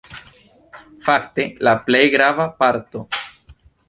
Fakte la plej grava parto.